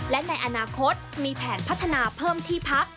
และในอนาคตมีแผนพัฒนาเพิ่มที่พัก